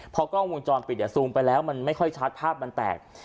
พอกล้องวงจรปิดซูมไปแล้วมันไม่ค่อยชัดภาพมันแตก